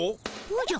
おじゃ？